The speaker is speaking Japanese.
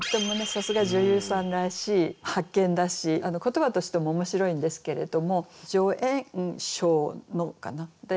さすが女優さんらしい発見だし言葉としても面白いんですけれども「じょえんしょうの」かな。